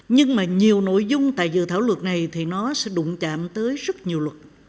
nhưng mà nhiều nội dung tại dự thảo luật này thì nó sẽ đụng chạm tới rất nhiều luật